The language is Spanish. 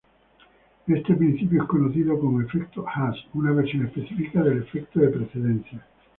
Este principio es conocido como Efecto Haas, una versión específica del efecto de precedencia.